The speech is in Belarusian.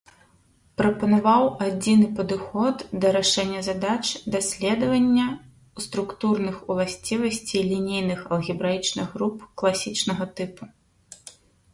Прапанаваў адзіны падыход да рашэння задач даследавання структурных уласцівасцей лінейных алгебраічных груп класічнага тыпу.